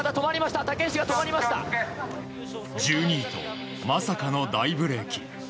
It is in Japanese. １２位とまさかの大ブレーキ。